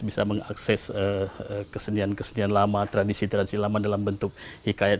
bisa mengakses kesenian kesenian lama tradisi tradisi lama dalam bentuk hikayat